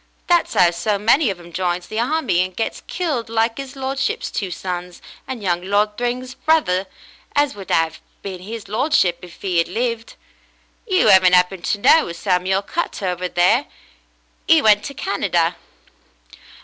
That's 'ow so many of 'em joins the harmy and gets killed like 'is lordship's two sons, and young Lord Thryng's brother as would 'ave been 'is lordship, if 'e' ad lived. You 'aven't 'appened to know a Samuel Cutter over there ? 'E went to Canada.